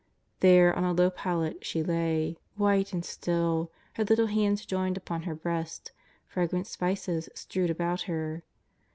There, on a low pallet, she lay, white and still, her little hands joined upon her breast, fragrant spices strewed about her.